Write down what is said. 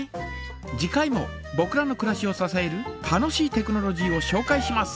次回もぼくらのくらしをささえる楽しいテクノロジーをしょうかいします。